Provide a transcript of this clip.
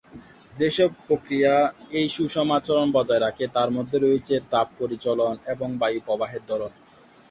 যেসব প্রক্রিয়া এই সুষম আচরণ বজায় রাখে তার মধ্যে রয়েছে তাপ পরিচলন এবং বায়ু প্রবাহের ধরন।